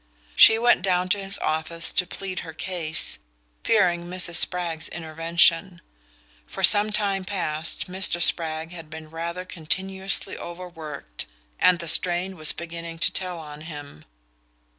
She went down to his office to plead her case, fearing Mrs. Spragg's intervention. For some time past Mr. Spragg had been rather continuously overworked, and the strain was beginning to tell on him.